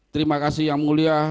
terima kasih yang mulia